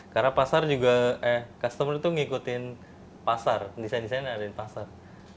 karena customer itu ngikutin pasar desain desainnya ada di pasar